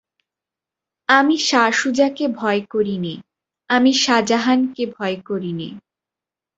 আমি শাসুজাকে ভয় করি নে, আমি শাজাহানকে ভয় করি নে।